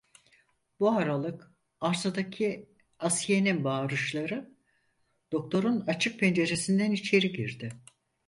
Bu aralık arsadaki Asiye'nin bağırışları, doktorun açık penceresinden içeri girdi.